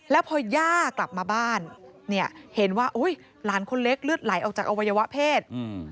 แล้วพอย่ากลับมาบ้านเนี่ยเห็นว่าหลานคนเล็กเลือดไหลออกจากอวัยวะเพศ